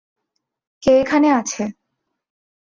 কে এখানে আছে?